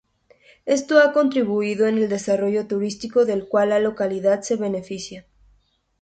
Esto ha contribuido en el desarrollo turístico del cual la localidad se beneficia.